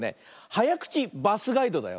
「はやくちバスガイド」だよ。